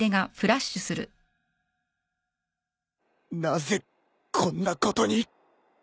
なぜこんなことに。